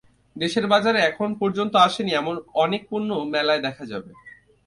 দেশের বাজারে এখন পর্যন্ত আসেনি এমন অনেক পণ্য মেলায় দেখা যাবে।